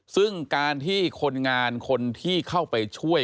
ซึ่งการที่คนงานคนที่เข้าไปช่วย